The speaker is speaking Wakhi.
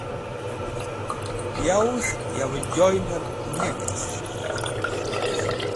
Yawẽs̃h yavẽ joynẽr ne lekerta?